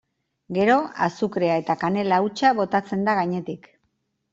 Gero azukrea eta kanela hautsa botatzen da gainetik.